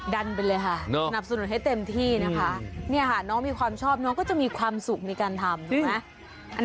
ดันไปเลยค่ะสนับสนุนให้เต็มที่นะคะเนี่ยค่ะน้องมีความชอบน้องก็จะมีความสุขในการทำถูกไหม